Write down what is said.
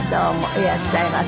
いらっしゃいませ。